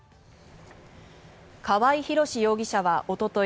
川合廣司容疑者はおととい